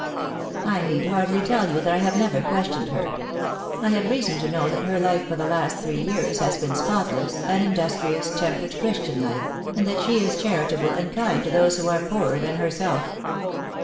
I need hardly tell you that I have never questioned her. I have reason to know that her life for the last three years has been spotless, an industrious, temperate, Christian life, and that she is charitable and kind to those who are poorer than herself.